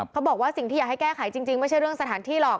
เขาบอกว่าสิ่งที่อยากให้แก้ไขจริงไม่ใช่เรื่องสถานที่หรอก